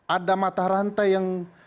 ada mata rantai yang